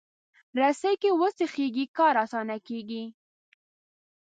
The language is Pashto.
رسۍ که وغځېږي، کار اسانه کېږي.